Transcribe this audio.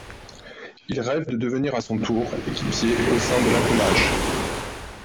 Il rêve de devenir à son tour équipier au sein de l'attelage.